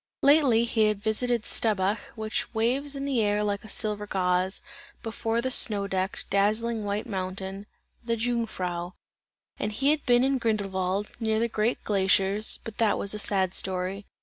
Lately he had visited the Staubbach, which waves in the air like a silver gauze, before the snow decked, dazzling white mountain: "the Jungfrau." And he had been in Grindelwald, near the great glaciers; but that was a sad story.